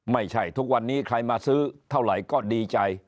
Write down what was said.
ทุกวันนี้ใครมาซื้อเท่าไหร่ก็ดีใจ